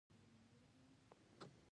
ښو اخلاقو ته ارزښت ورکړه.